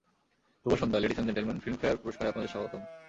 শুভ সন্ধ্যা, ladies and gentlemen, Filmfare পুরষ্কারে আপনাদের স্বাগতম।